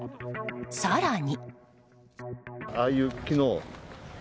更に。